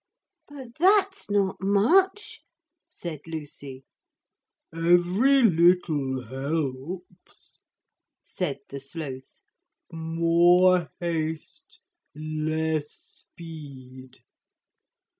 'But that's not much,' said Lucy. 'Every little helps,' said the Sloth; 'more haste less speed.